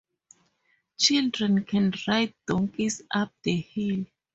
Children can ride donkeys up the hill.